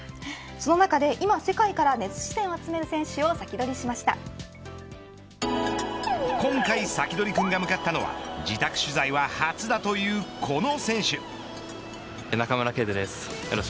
その中で今、世界から熱視線を集める選手を今回、サキドリくんが向かったのは自宅取材は初だというこの選手。